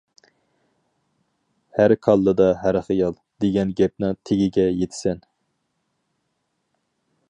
«ھەر كاللىدا ھەر خىيال! » دېگەن گەپنىڭ تېگىگە يېتىسەن.